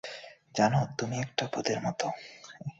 জানো, তুমি একটু ভূতের মতো।